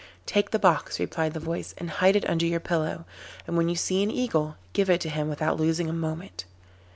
'Take the box,' replied the voice, 'and hide it under your pillow, and when you see an Eagle, give it to him without losing a moment.